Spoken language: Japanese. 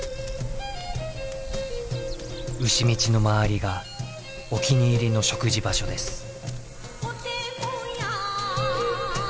牛道の周りがお気に入りの食事場所です。